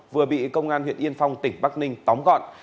vừa bị công an huyện yên phong tỉnh bắc ninh tóm gọn